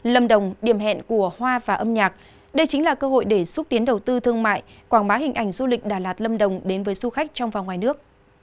lâm đồng điểm hẹn của hoa và âm nhạc đây chính là cơ hội để xúc tiến đầu tư thương mại quảng bá hình ảnh du lịch đà lạt lâm đồng đến với du khách trong và ngoài nước